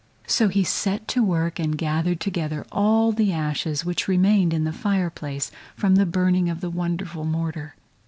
So he set to work and gathered together all the ashes which remained in the fire place from the burning of the wonderful mortar.